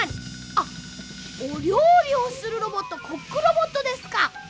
あっおりょうりをするロボットコックロボットですか！